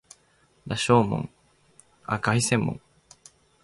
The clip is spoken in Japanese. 凱旋門